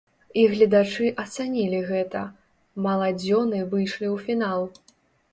І гледачы ацанілі гэта, маладзёны выйшлі ў фінал.